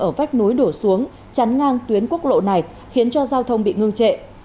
ở vách núi đổ xuống chắn ngang tuyến quốc lộ này khiến cho giao thông bị ngưng trệ